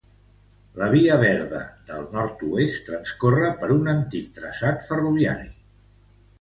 La Via Verda del Nord-oest transcorre per un antic traçat ferroviari.